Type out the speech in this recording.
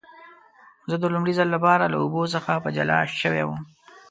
زه د لومړي ځل لپاره له اوبو څخه جلا شوی وم.